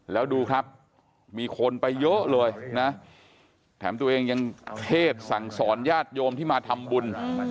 แล้วดูครับมีคนไปเยอะเลยนะแถมตัวเองยังเทศสั่งสอนญาติโยมที่มาทำบุญ